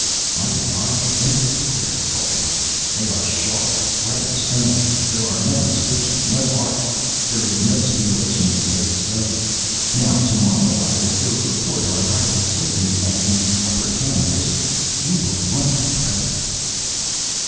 "I advise against it," declared the Sultan. "They are shards, weathered stone. There are no inscriptions, no art. There is no stimulation in dead stone. Now. Tomorrow I will hear a report on hybrid soybean plantings in the Upper Kam District. You will want to be present."